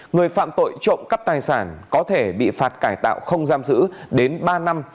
người phạm tội trộm cắp tài sản có thể bị phạt cải tạo không giam giữ đến ba năm